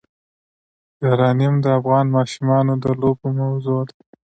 یورانیم د افغان ماشومانو د لوبو موضوع ده.